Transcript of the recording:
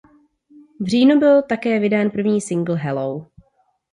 V říjnu byl také vydán první singl „Hello“.